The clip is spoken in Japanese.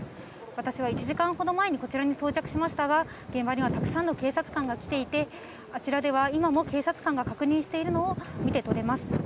私は１時間ほど前にこちらに到着しましたが、現場にはたくさんの警察官が来ていて、あちらでは、今も警察官が確認しているのを見て取れます。